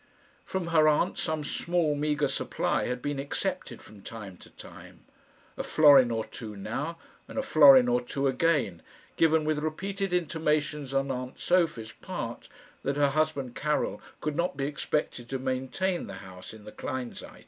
From her aunt some small meagre supply had been accepted from time to time a florin or two now, and a florin or two again given with repeated intimations on aunt Sophie's part, that her husband Karil could not be expected to maintain the house in the Kleinseite.